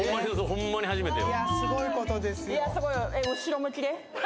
ホンマに初めてよ。